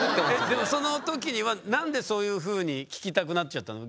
でもその時には何でそういうふうに聞きたくなっちゃったの？